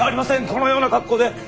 このような格好で。